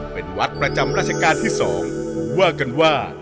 เป็นวัดประจำราชการที่๒ว่ากันว่า